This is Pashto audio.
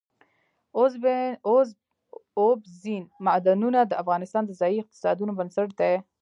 اوبزین معدنونه د افغانستان د ځایي اقتصادونو بنسټ دی.